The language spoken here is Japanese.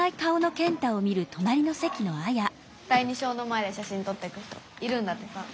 第二小の前でしゃしんとってく人いるんだってさ。